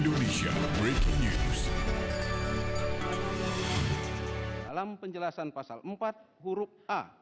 dalam penjelasan pasal empat huruf a